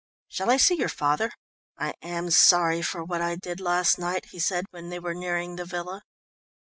"Shall I see your father? I am sorry for what I did last night," he said when they were nearing the villa.